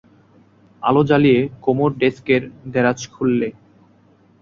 আলো জ্বালিয়ে কুমুর ডেস্কের দেরাজ খুললে।